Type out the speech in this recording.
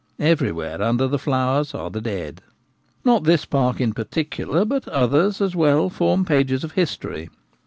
Everywhere under the flowers are the dead. Not this park in particular, but others as well form pages of history.